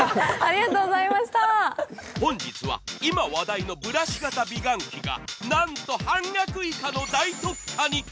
本日は今話題のブラシ型美顔器がなんと半額以下の大特価に！